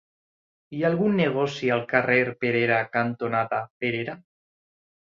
Hi ha algun negoci al carrer Perera cantonada Perera?